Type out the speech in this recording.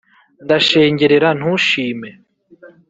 ndashengerera ntushime